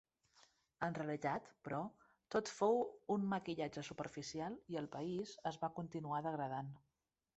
En realitat, però, tot fou un maquillatge superficial i el país es va continuar degradant.